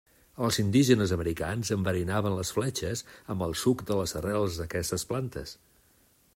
Els indígenes americans enverinaven les fletxes amb el suc de les arrels d'aquestes plantes.